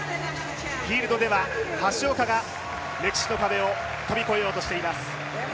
フィールドでは橋岡が歴史の壁を飛び越えようとしています。